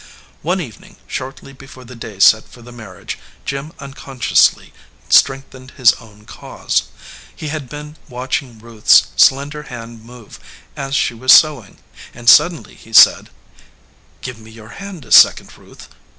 One evening shortly before the day set for the marriage, Jim unconsciously strengthened his own cause. He had been watching Ruth s slender hand move as she was sewing, and suddenly he said: "Give me your hand a second, Ruth.